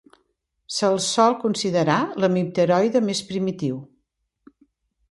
Se'ls sol considerar l'hemipteroide més primitiu.